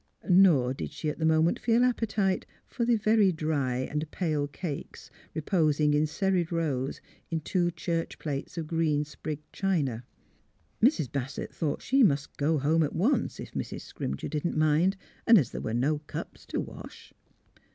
Nor did she at the moment feel appetite for the very dry and pale cakes reposing in serried rows in two church plates of green sprigged china. Mrs. Bassett thought she must go home at once — if Mrs. Scrimger didn't mind — and as there were no cups to wash.